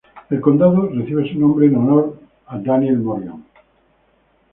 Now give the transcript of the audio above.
El condado recibe su nombre en honor a Daniel Morgan.